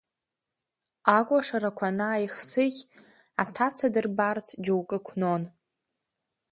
Акәашарақәа анааихсыӷь, аҭаца дырбарц џьоукы қәнон.